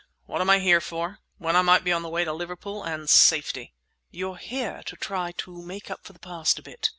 What am I here for, when I might be on the way to Liverpool, and safety?" "You're here to try to make up for the past a bit!"